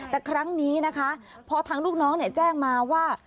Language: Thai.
แต่ครั้งนี้นะคะพอทางลูกน้องแจ้งมาว่า